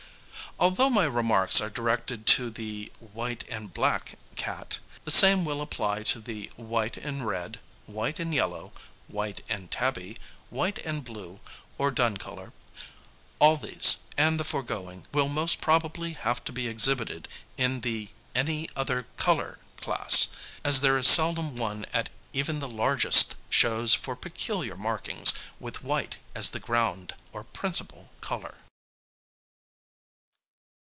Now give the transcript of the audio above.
Although my remarks are directed to "the white and black" cat, the same will apply to the "white and red, white and yellow, white and tabby, white and blue, or dun colour;" all these, and the foregoing, will most probably have to be exhibited in the "Any Other Colour" class, as there is seldom one at even the largest shows for peculiar markings with white as the ground or principal colour.